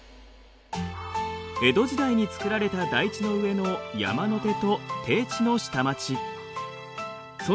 江戸時代に作られた台地の上の山の手と低地の下町。